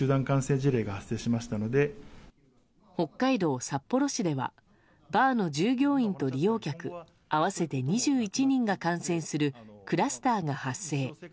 北海道札幌市ではバーの従業員と利用客合わせて２１人が感染するクラスターが発生。